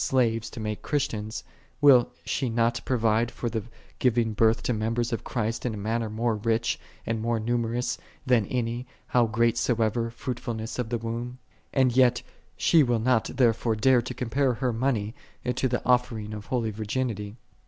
slaves to make Christians, will she not provide for the giving birth to members of Christ in a manner more rich, and more numerous, than by any, how great soever, fruitfulness of the womb ? And yet she will not therefore dare to compare her money to the offering1 of holy virginity.